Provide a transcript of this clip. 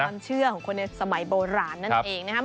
ความเชื่อของคนในสมัยโบราณนั่นเองนะครับ